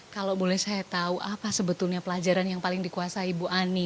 kalau boleh saya tahu apa sebetulnya pelajaran yang paling dikuasai ibu ani